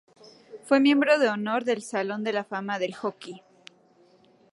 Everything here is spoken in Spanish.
Fue miembro de honor del Salón de la Fama del Hockey.